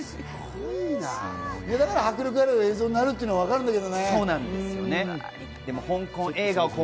だから迫力ある映像になるっていうのはわかるけどね。